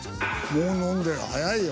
もう飲んでる早いよ。